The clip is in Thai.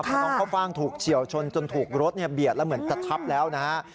เพราะน้องข้าวฟ่างถูกเฉียวชนจนถูกรถเบียดแล้วเหมือนจะทับแล้วนะฮะ